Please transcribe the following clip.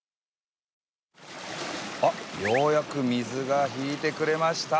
あっようやく水が引いてくれました。